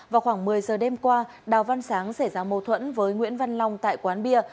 vào khoảng một mươi giờ đêm qua đào văn sáng xảy ra mâu thuẫn với nguyễn văn long tại quán bia